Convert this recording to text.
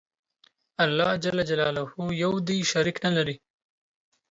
الله ج یو دی شریک نه لری